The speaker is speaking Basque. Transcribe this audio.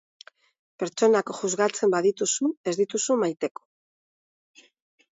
Pertsonak juzgatzen badituzu ez dituzu maiteko